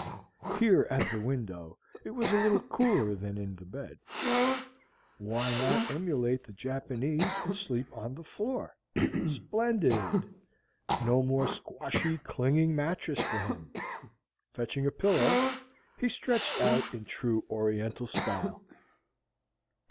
Here at the window it was a little cooler than in the bed. Why not emulate the Japanese and sleep on the floor? Splendid! No more squashy, clinging mattress for him! Fetching a pillow, he stretched out in true oriental style.